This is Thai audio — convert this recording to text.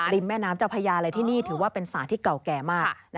แม่น้ำเจ้าพญาเลยที่นี่ถือว่าเป็นสารที่เก่าแก่มาก